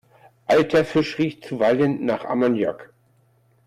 Alter Fisch riecht zuweilen nach Ammoniak.